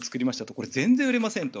これ、全然売れませんと。